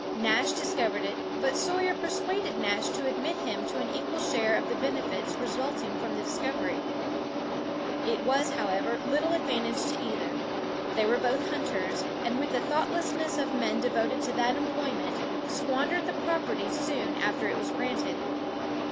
Nash discovered it; but Sawyer persuaded Nash to admit him to an equal share of the benefits resulting from the discovery. It was, however, little advantage to either. They were both hunters, and with the thoughtlessness of men devoted to that employment, squandered the property soon after it was granted.